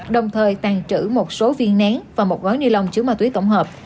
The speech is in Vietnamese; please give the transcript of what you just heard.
đồng thời tàn trữ một số viên nén và một gói ni lông chứa ma túy tổng hợp